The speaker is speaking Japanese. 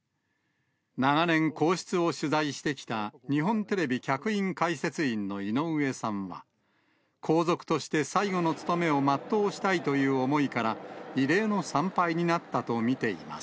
長年、皇室を取材してきた日本テレビ客員解説員の井上さんは、皇族として、最後の務めを全うしたいという思いから、異例の参拝になったと見ています。